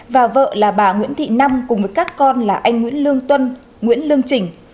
và vợ là bà nguyễn thị năm cùng với các con là anh nguyễn lương tuân nguyễn lương trình